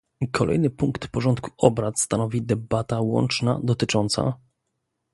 Kolejny punkt porządku obrad stanowi debata łączna dotycząca